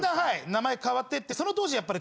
名前変わってってその当時やっぱり。